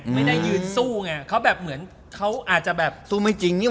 ไม่ได้ยืนสู้ไง